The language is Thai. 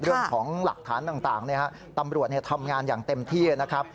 เรื่องของหลักฐานต่างตำรวจทำงานอย่างเต็มที่นะครับ